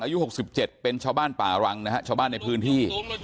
อายุ๖๗เป็นชาวบ้านป่ารังนะฮะชาวบ้านในพื้นที่